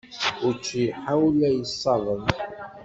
Učči ḥawla yessaḍan.